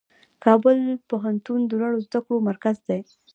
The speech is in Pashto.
کابل پوهنتون د لوړو زده کړو مرکز دی.